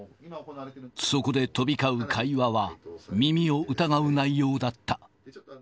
そこで飛び交う会話は、耳を疑う内容だった。